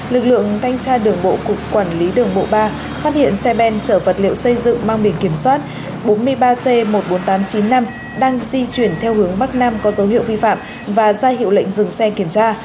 lực lượng thanh tra đường bộ cục quản lý đường bộ ba phát hiện xe ben chở vật liệu xây dựng mang biển kiểm soát bốn mươi ba c một mươi bốn nghìn tám trăm chín mươi năm đang di chuyển theo hướng bắc nam có dấu hiệu vi phạm và ra hiệu lệnh dừng xe kiểm tra